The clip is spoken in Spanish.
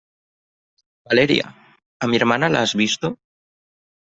¡ Valeria! ¿ a mi hermana la has visto?